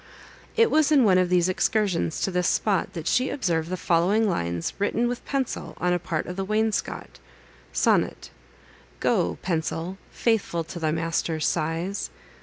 It was in one of these excursions to this spot, that she observed the following lines written with a pencil on a part of the wainscot: SONNET Go, pencil! faithful to thy master's sighs!